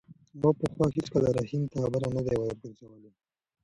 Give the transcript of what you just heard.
ما پخوا هېڅکله رحیم ته خبره نه ده ورګرځولې.